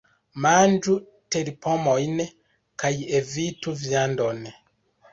Manĝu terpomojn kaj evitu viandon.